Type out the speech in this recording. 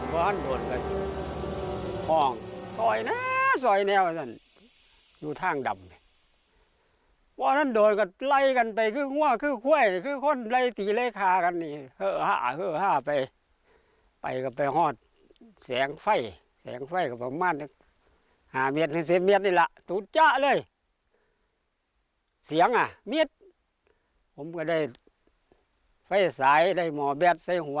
ผมก็ได้เสยสายได้ไหมวะเบี๊ดซะในหัว